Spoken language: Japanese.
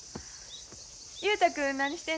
雄太君何してんの？